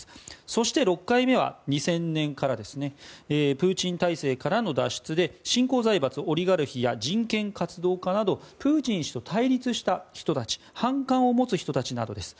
そして６回目は２０００年からプーチン体制からの脱出で新興財閥オリガルヒや人権活動家などプーチン氏と対立した人たち反感を持つ人たちなどです。